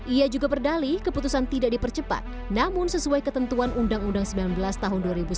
ia juga berdali keputusan tidak dipercepat namun sesuai ketentuan undang undang sembilan belas tahun dua ribu sembilan belas